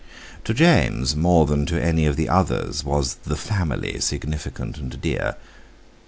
To James, more than to any of the others, was "the family" significant and dear.